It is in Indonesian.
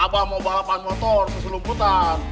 abah mau balapan motor terus lumputan